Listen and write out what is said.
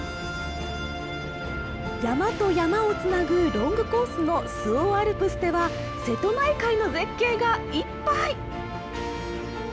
山と山をつなぐロングコースの周防アルプスでは瀬戸内海の絶景がいっぱい！